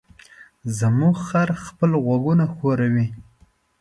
زموږ خر خپل غوږونه ښوروي.